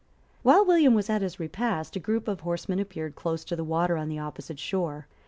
While William was at his repast, a group of horsemen appeared close to the water on the opposite shore.